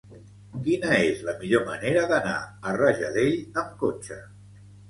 Quina és la millor manera d'anar a Rajadell amb cotxe?